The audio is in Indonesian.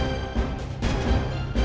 saya sudah berhenti